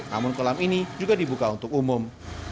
namun kolam ini juga dibuka untuk umum